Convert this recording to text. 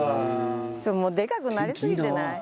ちょっともうでかくなりすぎてない？